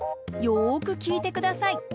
よくきいてください。